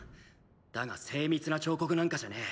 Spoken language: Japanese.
だが精密な彫刻なんかじゃねえ。